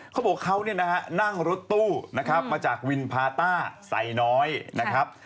เขาบอกเขาเนี่ยนะฮะนั่งรถตู้นะครับมาจากวินพาต้าใส่น้อยนะครับ